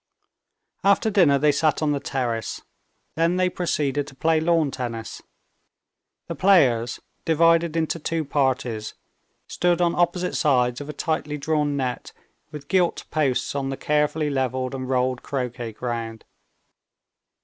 After dinner they sat on the terrace, then they proceeded to play lawn tennis. The players, divided into two parties, stood on opposite sides of a tightly drawn net with gilt poles on the carefully leveled and rolled croquet ground.